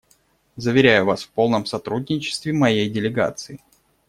Заверяю Вас в полном сотрудничестве моей делегации.